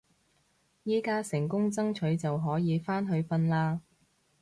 而家成功爭取就可以返去瞓啦